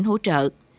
tỉnh hỗ trợ